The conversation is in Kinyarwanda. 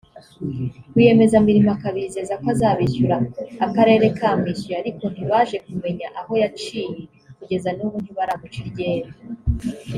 rwiyemezamirimo akabizeza ko azabishyura akarere kamwishyuye ariko ntibaje kumenya aho yaciye kugeza n’ubu ntibaramuca iryera